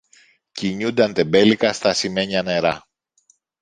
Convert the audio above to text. κουνιούνταν τεμπέλικα στ' ασημένια νερά